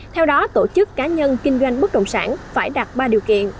theo đó tổ chức cá nhân kinh doanh bất đồng sản phải đạt ba điều kiện